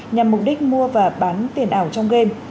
nhằm mục đích mua và bán tiền ảo trong game